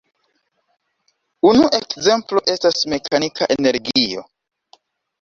Unu ekzemplo estas mekanika energio.